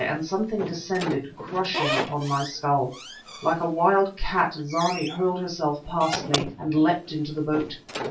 and something descended, crushing, upon my skull. Like a wild cat Zarmi hurled herself past me and leapt into the boat.